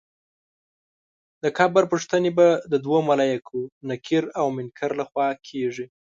د قبر پوښتنې به د دوو ملایکو نکیر او منکر له خوا کېږي.